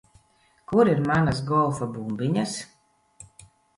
Kur ir manas golfa bumbiņas?